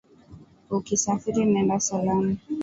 Ukisafiri, nenda salama